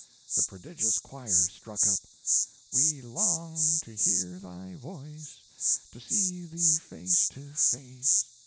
The prodigious choir struck up,— We long to hear thy voice, To see thee face to face.